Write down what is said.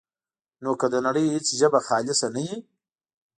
نو که د نړۍ هېڅ ژبه خالصه نه وي،